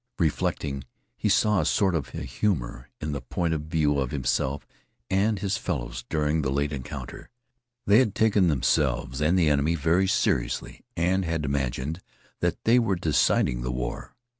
Reflecting, he saw a sort of a humor in the point of view of himself and his fellows during the late encounter. They had taken themselves and the enemy very seriously and had imagined that they were deciding the war.